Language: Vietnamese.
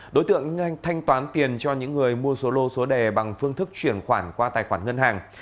đối tượng nhanh thanh toán tiền cho những người mua số lô số đề bằng phương thức chuyển khoản qua tài khoản ngân hàng